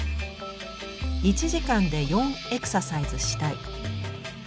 １時間で４エクササイズしたい。